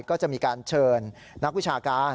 ก็จะมีการเชิญนักวิชาการ